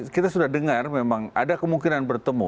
kita sudah dengar memang ada kemungkinan bertemu